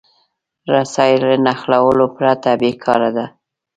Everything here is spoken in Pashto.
رسۍ له نښلولو پرته بېکاره ده.